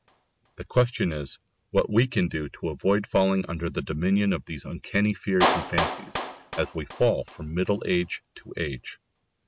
The question is what we can do to avoid falling under the dominion of these uncanny fears and fancies, as we fall from middle age to age.